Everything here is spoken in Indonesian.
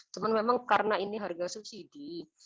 cuma memang karena ini harga subsidi